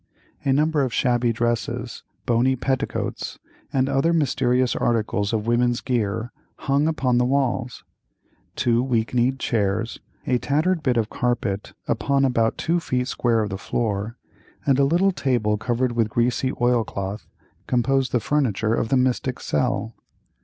A number of shabby dresses, bony petticoats, and other mysterious articles of women's gear, hung upon the walls; two weak kneed chairs, a tattered bit of carpet upon about two feet square of the floor, and a little table covered with a greasy oilcloth, composed the furniture of the mystic cell.